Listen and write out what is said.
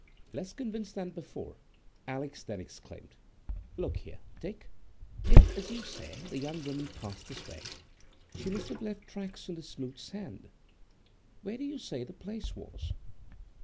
Less convinced than before, Alix then exclaimed: "Look here, Dick! If, as you say, the young woman passed this way, she must have left tracks on the smooth sand. Where do you say the place was?"